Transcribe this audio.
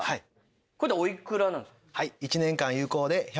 これっておいくらなんですか？